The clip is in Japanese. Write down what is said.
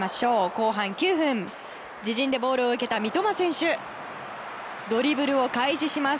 後半９分、自陣でボールを受けた三笘選手ドリブルを開始します。